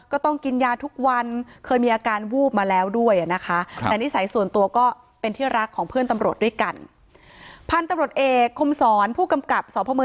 ก็ต้องกินยาทุกวันเคยมีอาการวูบมาแล้วด้วยนะคะ